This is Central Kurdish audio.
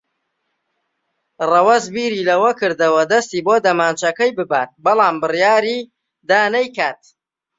ڕەوەز بیری لەوە کردەوە دەستی بۆ دەمانچەکەی ببات، بەڵام بڕیاری دا نەیکات.